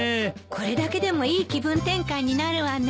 これだけでもいい気分転換になるわね。